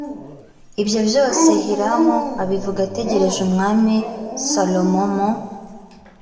ibyo byose hiramu abivuga ategereje umwami salomo mu